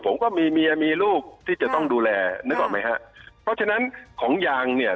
ผมก็มีเมียมีลูกที่จะต้องดูแลนึกออกไหมฮะเพราะฉะนั้นของยางเนี่ย